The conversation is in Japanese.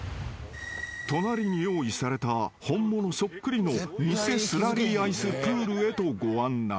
［隣に用意された本物そっくりの偽スラリーアイスプールへとご案内］